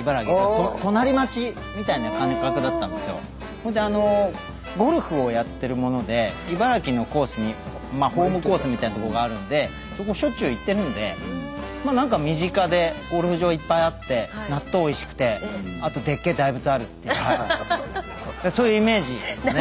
それでゴルフをやってるもので茨城のコースにまあホームコースみたいなとこがあるんでそこしょっちゅう行ってるんでまあ何か身近でゴルフ場いっぱいあって納豆おいしくてあとでっけえ大仏あるっていうそういうイメージですよね。